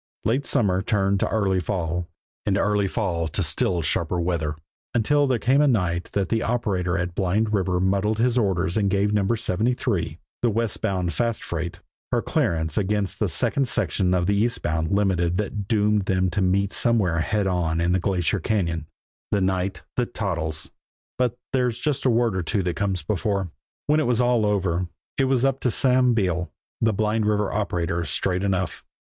Late summer turned to early fall, and early fall to still sharper weather, until there came the night that the operator at Blind River muddled his orders and gave No. 73, the westbound fast freight, her clearance against the second section of the eastbound Limited that doomed them to meet somewhere head on in the Glacier Cañon; the night that Toddles but there's just a word or two that comes before. When it was all over, it was up to Sam Beale, the Blind River operator, straight enough.